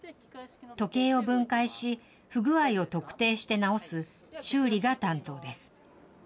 時計を分解し、不具合を特定して直す修理が担当です。